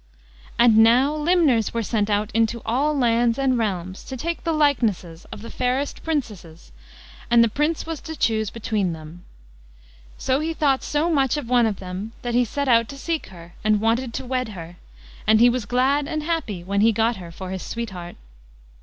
And now limners were sent out into all lands and realms to take the likenesses of the fairest Princesses, and the Prince was to chose between them. So he thought so much of one of them, that he set out to seek her, and wanted to wed her, and he was glad and happy when he got her for his sweetheart.